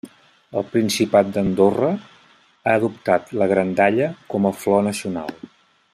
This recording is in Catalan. El Principat d'Andorra ha adoptat la grandalla com a flor nacional.